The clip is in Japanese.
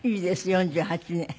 ４８年。